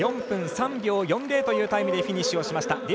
４分３秒４０というタイムでフィニッシュしました。